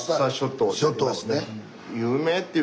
諸島ね。